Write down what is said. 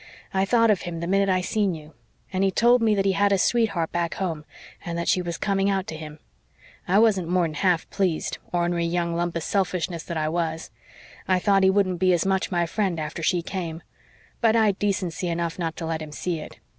I thought of him the minute I seen you. And he told me that he had a sweetheart back home and that she was coming out to him. I wasn't more'n half pleased, ornery young lump of selfishness that I was; I thought he wouldn't be as much my friend after she came. But I'd enough decency not to let him see it.